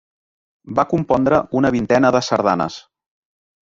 Va compondre una vintena de sardanes.